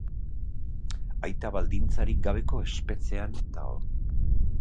Aita baldintzarik gabeko espetxean dago.